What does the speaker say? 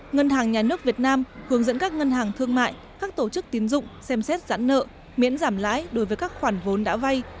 ngân hàng nhà nước việt nam hướng dẫn các ngân hàng thương mại các tổ chức tiến dụng xem xét giãn nợ miễn giảm lãi đối với các khoản vốn đã vay